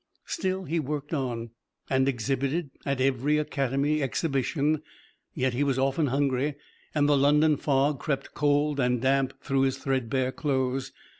Still he worked on, and exhibited at every Academy Exhibition, yet he was often hungry, and the London fog crept cold and damp through his threadbare clothes.